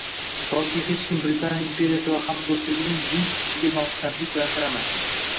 Toki hech kim Britaniya imperiyasi va hamdo‘stligining buyuk kuchiga nopisandlik bilan qaramasin